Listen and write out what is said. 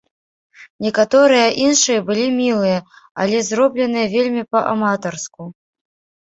Некаторыя іншыя былі мілыя, але зробленыя вельмі па-аматарску.